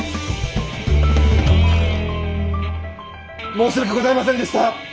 申し訳ございませんでした！